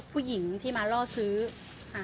ผู้หญิงที่มาล่อซื้อค่ะใช่เลยค่ะ